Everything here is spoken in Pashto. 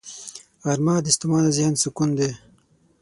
غرمه د ستومانه ذهن سکون دی